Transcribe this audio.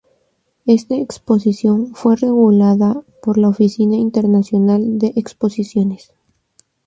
Esta exposición fue regulada por la Oficina Internacional de Exposiciones.